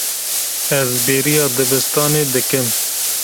Ez bêriya dibistanê dikim.